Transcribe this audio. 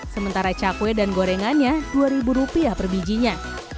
sementara cakwe dan gorengannya dua rupiah per bijinya